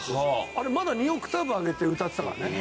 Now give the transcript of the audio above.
あれまだ２オクターブ上げて歌ってたからね。